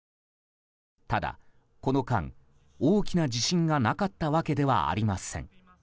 ただこの間、大きな地震がなかったわけではありません。